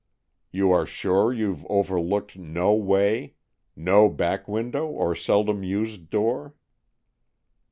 "You are sure you've overlooked no way? No back window, or seldom used door?"